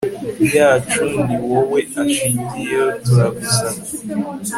yacu ni wowe ashingiyeho turagusabye